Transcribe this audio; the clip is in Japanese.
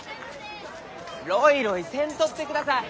ろいろいせんとってください！